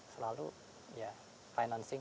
selalu ya financing